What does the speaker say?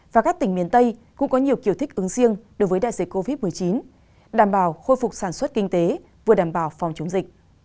và các tỉnh miền tây cũng có nhiều kiểu thích ứng riêng đối với đại dịch covid một mươi chín đảm bảo khôi phục sản xuất kinh tế vừa đảm bảo phòng chống dịch